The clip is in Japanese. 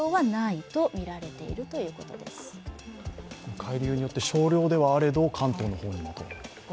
海流によって少量ではあれど、関東の方にもと。